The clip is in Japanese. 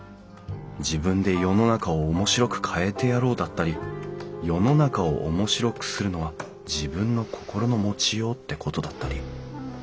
「自分で世の中を面白く変えてやろう」だったり「世の中を面白くするのは自分の心の持ちよう」ってことだったり。